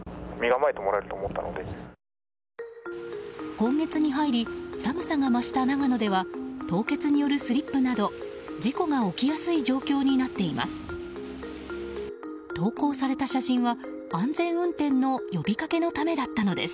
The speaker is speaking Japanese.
今月に入り寒さが増した長野では凍結によるスリップなど、事故が起きやすい状況になっています。